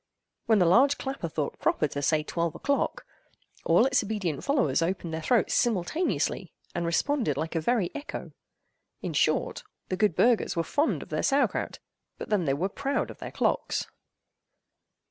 When the large clapper thought proper to say "Twelve o'clock!" all its obedient followers opened their throats simultaneously, and responded like a very echo. In short, the good burghers were fond of their sauer kraut, but then they were proud of their clocks.